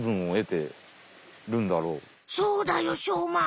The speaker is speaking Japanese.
そうだよしょうま！